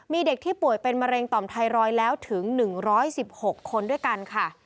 มีเด็กที่ป่วยเป็นมะเร็งต่อมไทรอยด์แล้วถึง๑๑๖คนด้วยกันค่ะ